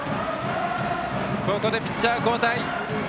ここでピッチャー交代。